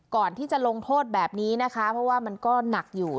ก่อนที่จะลงโทษแบบนี้นะคะเพราะว่ามันก็หนักอยู่